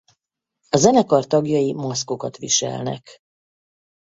A zenekar tagjai maszkokat viselnek.